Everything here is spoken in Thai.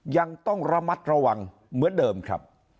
ยังต้องระมัดระวังเหมือนเดิมครับ